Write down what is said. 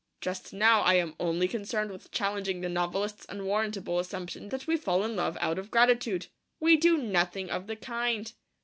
Just now, I am only concerned with challenging the novelist's unwarrantable assumption that we fall in love out of gratitude. We do nothing of the kind.